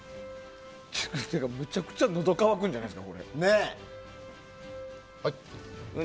むちゃくちゃのどが渇くんじゃないですか。